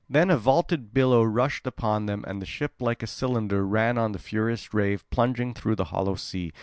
Then a vaulted billow rushed upon them, and the ship like a cylinder ran on the furious wave plunging through the hollow sea.